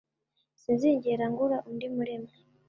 Sinzigera ngura undi murimwe